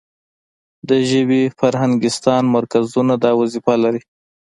د ژبې فرهنګستان مرکزونه دا وظیفه لري.